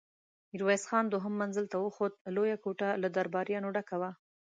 ميرويس خان دوهم منزل ته وخوت، لويه کوټه له درباريانو ډکه وه.